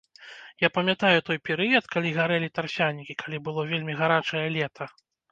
Я памятаю той перыяд, калі гарэлі тарфянікі, калі было вельмі гарачае лета.